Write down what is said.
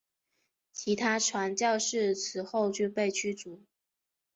其他传教士此后均被驱逐。